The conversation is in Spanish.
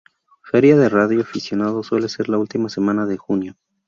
Feria de radio aficionado, suele ser la última semana de junio.